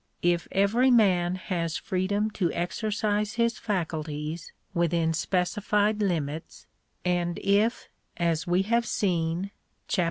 If every man has freedom to exer i cise his faculties within specified limits ; and if, as we have * seen (Chap.